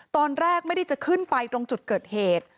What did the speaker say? ตอนแรกไม่ได้จะขึ้นไปตรงจุดเกิดเหตุ